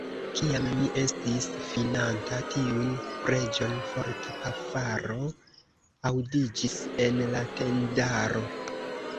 Kiam mi estis finanta tiun preĝon, forta pafaro aŭdiĝis en la tendaro.